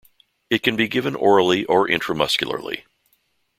It can be given orally or intramuscularly.